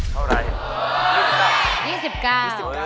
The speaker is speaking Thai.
เท่าไหร่๒๙๒๙